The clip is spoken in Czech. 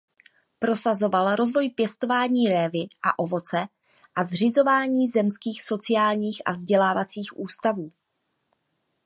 Prosazoval rozvoj pěstování révy a ovoce a zřizování zemských sociálních a vzdělávacích ústavů.